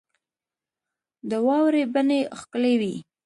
د واورې بڼې ښکلي وې.